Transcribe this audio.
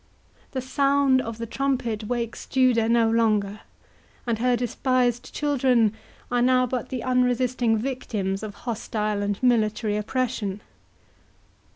The sound of the trumpet wakes Judah no longer, and her despised children are now but the unresisting victims of hostile and military oppression.